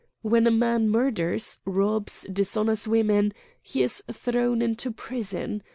When a man murders, robs, dishonors women he is thrown into prison.